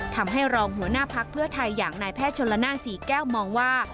ทำให้รองหัวหน้าพักเพื่อไทยอย่างนายแพทย์ชนละนานศรีแก้วมองว่า